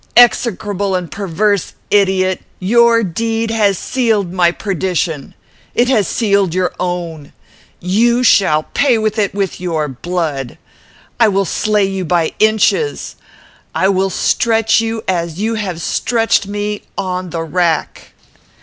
Execrable and perverse idiot! Your deed has sealed my perdition. It has sealed your own. You shall pay for it with your blood. I will slay you by inches. I will stretch you, as you have stretched me, on the rack."